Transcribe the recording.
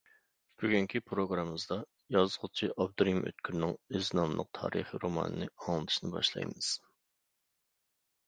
بۈگۈنكى پروگراممىمىزدا يازغۇچى ئابدۇرېھىم ئۆتكۈرنىڭ ئىز ناملىق تارىخى رومانىنى ئاڭلىتىشنى باشلايمىز.